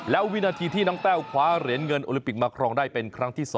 แล้ววินาทีที่น้องแต้วคว้าเหรียญเงินโอลิปิกมาครองได้เป็นครั้งที่๒